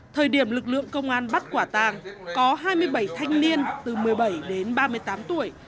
thời điểm lực lượng công an bắt quả tàng có hai mươi bảy thanh niên từ một mươi bảy đến ba mươi tám tuổi